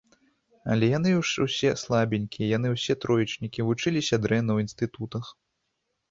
Але яны ж усе слабенькія, яны ўсе троечнікі, вучыліся дрэнна ў інстытутах.